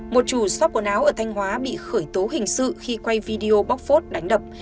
một chủ shop quần áo ở thanh hóa bị khởi tố hình sự khi quay video bóc phốt đánh đập